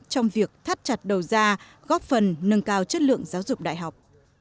trong việc thắt chặt đầu ra góp phần nâng cao chất lượng giáo dục đại học